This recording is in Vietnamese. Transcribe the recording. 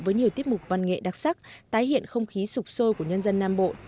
với nhiều tiết mục văn nghệ đặc sắc tái hiện không khí sụp sôi của nhân dân nam bộ